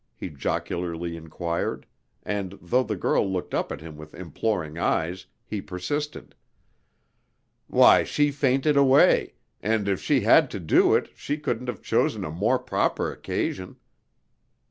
he jocularly enquired, and though the girl looked up at him with imploring eyes, he persisted. "Why, she fainted away, and if she had to do it, she couldn't have chosen a more proper occasion.